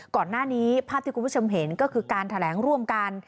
ก่อนหน้านี้ภาพที่คุณผู้ชมเห็นก็คือการแถลงร่วมกัน